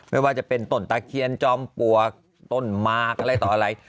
ไม่ว่าจะเป็นต้นตะเคียนจอมปลวกต้นมากอะไรต่ออะไร